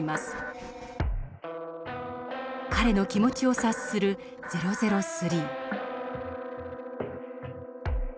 彼の気持ちを察する００３。